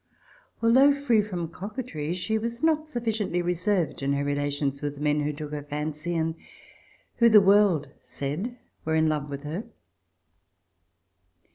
Although free from coquetry, she was not sufficiently reserved in her relations with men who took her fancy and who, the world said, were in love with her.